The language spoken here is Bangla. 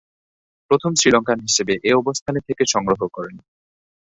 প্রথম শ্রীলঙ্কান হিসেবে এ অবস্থানে থেকে সংগ্রহ করেন।